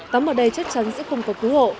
tắm ở đây chắc chắn sẽ không có cứu hộ